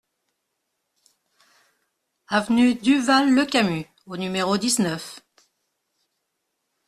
Avenue Duval Le Camus au numéro dix-neuf